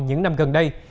những năm gần đây